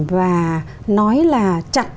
và nói là chặt